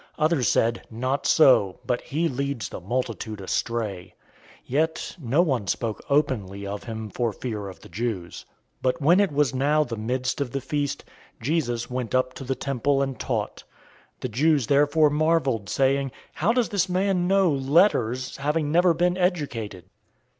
Others said, "Not so, but he leads the multitude astray." 007:013 Yet no one spoke openly of him for fear of the Jews. 007:014 But when it was now the midst of the feast, Jesus went up into the temple and taught. 007:015 The Jews therefore marveled, saying, "How does this man know letters, having never been educated?"